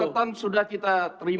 catatan sudah kita terima